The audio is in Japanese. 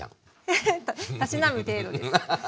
エヘッたしなむ程度です。